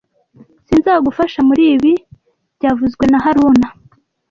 Sinzagufasha muri ibi byavuzwe na haruna